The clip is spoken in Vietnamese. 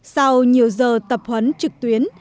sau nhiều giờ tập huấn trực tuyến